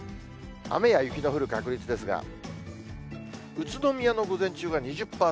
雨や雪の降る確率ですが、宇都宮の午前中が２０％。